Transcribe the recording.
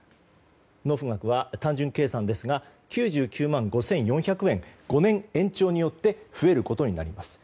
納付額は、単純計算ですが９９万５４００円５年延長によって増えることになります。